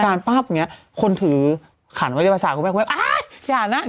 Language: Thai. สมกัณฑ์ป้าบอย่างนี้คนถือขันเวลาภาษาความแข็งแมงความแข็งแมง